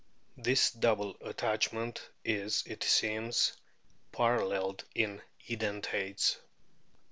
This double attachment is, it seems, paralleled in Edentates.